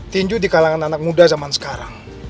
tinju di kalangan anak muda zaman sekarang